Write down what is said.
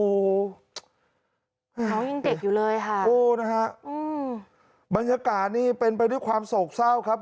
โอ้โหน้องยังเด็กอยู่เลยค่ะโอ้นะฮะอืมบรรยากาศนี่เป็นไปด้วยความโศกเศร้าครับ